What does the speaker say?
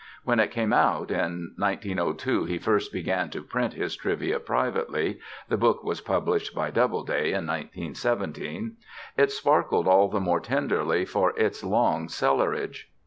When it came out (in 1902 he first began to print his Trivia, privately; the book was published by Doubleday in 1917) it sparkled all the more tenderly for its long cellarage.